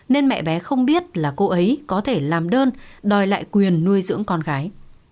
nên mẹ bé không biết là cô ấy có thể làm đơn đòi lại quyền nuôi dưỡng con gái